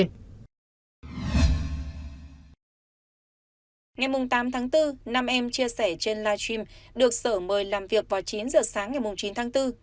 ngày tám tháng bốn năm em chia sẻ trên live stream được sở mời làm việc vào chín giờ sáng ngày chín tháng bốn